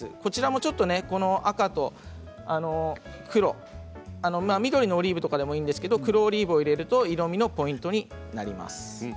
ちょっと、赤と黒緑のオリーブとかでもいいんですが黒オリーブを入れると色みのポイントになります。